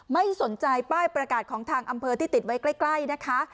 ไม่สนใจป้ายประกาศของทางอำเภอที่ติดไว้ใกล้นะคะ